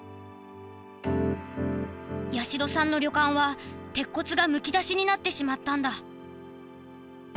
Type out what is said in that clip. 八代さんの旅館は鉄骨がむき出しになってしまったんだ。